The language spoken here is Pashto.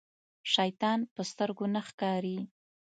شيطان په سترګو نه ښکاري.